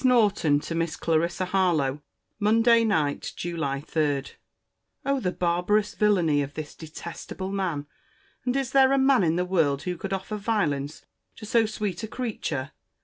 NORTON, TO MISS CLARISSA HARLOWE MONDAY NIGHT, JULY 3. O the barbarous villany of this detestable man! And is there a man in the world who could offer violence to so sweet a creature!